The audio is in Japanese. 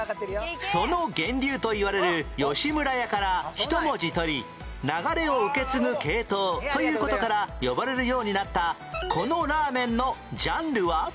その源流といわれる「吉村家」から一文字取り流れを受け継ぐ系統という事から呼ばれるようになったこのラーメンのジャンルは？